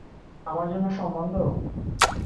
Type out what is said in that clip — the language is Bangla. আমার জন্য সম্বন্ধ?